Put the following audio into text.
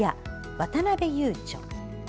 渡辺優著。